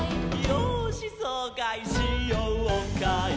「よーしそうかいしようかい」